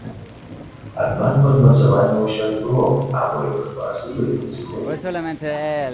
Аднак падмацавання ўсё не было, а боепрыпасы былі на зыходзе.